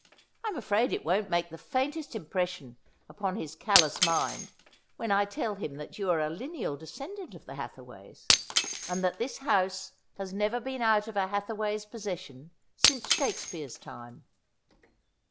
I'm afraid it won't make the faintest impression upon his callous mind when I tell him that you are a lineal descendant of the Hathaways, and that this house has never been out of a Hatha way's possession since Shakespeare's time.'